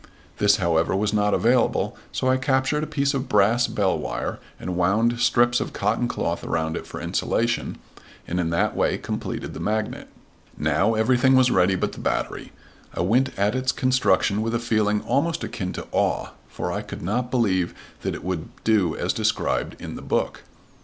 This, however, was not available, so I captured a piece of brass bell wire and wound strips of cotton cloth around it for insulation and in that way completed the magnet. Now everything was ready but the battery. I went at its construction with a feeling almost akin to awe, for I could not believe that it would do as described in the book.